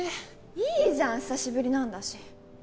いいじゃん久しぶりなんだし！